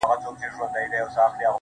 زه وايم دا_